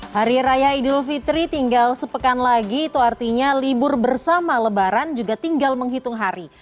hari raya idul fitri tinggal sepekan lagi itu artinya libur bersama lebaran juga tinggal menghitung hari